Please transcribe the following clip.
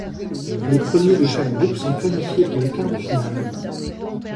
Les premiers de chaque groupe sont qualifiés pour les quarts de finale.